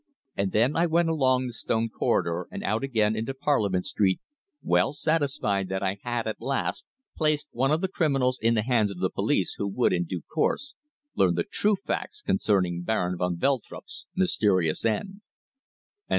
And then I went along the stone corridor and out again into Parliament Street, well satisfied that I had, at last, placed one of the criminals in the hands of the police, who would, in due course, learn the true facts concerning Baron van Veltrup's mysterious end.